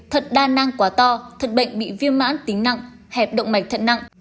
thận đa năng quá to thận bệnh bị viêm mãn tính nặng hẹp động mạch thận nặng